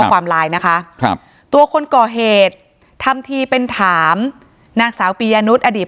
ความไลนะคะทุกคนก่อเหตุทำที่เป็นถามนักสาวปิยานุสอดีต